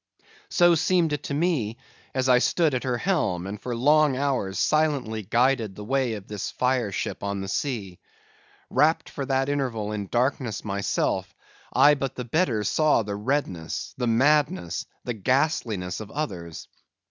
So seemed it to me, as I stood at her helm, and for long hours silently guided the way of this fire ship on the sea. Wrapped, for that interval, in darkness myself, I but the better saw the redness, the madness, the ghastliness of others.